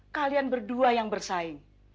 kalian berdua yang bersaing